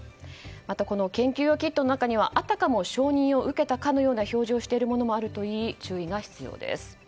また、研究用キットの中にはあたかも承認を受けたかのような表示をしているものもあるといい注意が必要です。